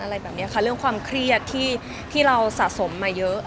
เรื่องความเครียดที่เราสะสมมาเยอะ